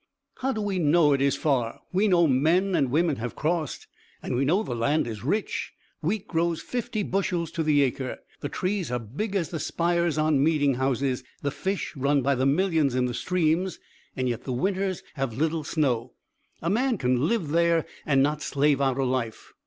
"How do we know it is far? We know men and women have crossed, and we know the land is rich. Wheat grows fifty bushels to the acre, the trees are big as the spires on meeting houses, the fish run by millions in the streams. Yet the winters have little snow. A man can live there and not slave out a life.